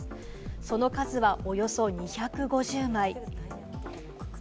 その数はおよそ２５０枚。